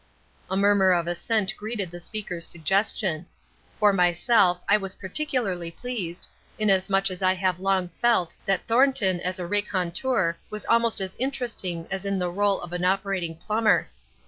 A murmur of assent greeted the speaker's suggestion. For myself I was particularly pleased, inasmuch as I have long felt that Thornton as a raconteur was almost as interesting as in the rôle of an operating plumber.